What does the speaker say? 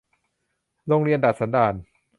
โรงเรียนดัดสันดาน